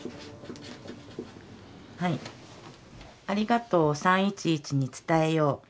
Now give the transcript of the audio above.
ありがとうを３．１１に伝えよう。